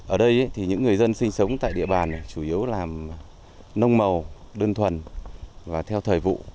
ở đây thì những người dân sinh sống tại địa bàn chủ yếu làm nông màu đơn thuần và theo thời vụ